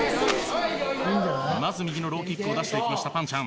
まず右のローキックを出していきましたぱんちゃん。